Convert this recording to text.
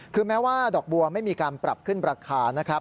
คือแม้ว่าดอกบัวไม่มีการปรับขึ้นราคานะครับ